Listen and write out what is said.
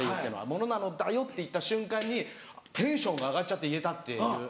「者なのだよ」って言った瞬間にテンションが上がっちゃって「言えた！」っていう。